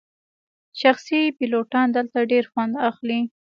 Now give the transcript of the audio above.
شخصي پیلوټان دلته ډیر خوند اخلي